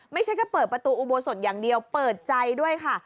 ไม่ใช่แค่เปิดประตูอุโบสถอย่างเดียวเปิดใจด้วยค่ะ